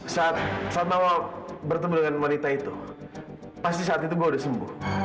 saat awal bertemu dengan wanita itu pasti saat itu gue udah sembuh